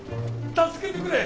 助けてくれ！